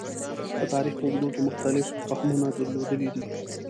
د تاریخ په اوږدو کې مختلف فهمونه درلودلي دي.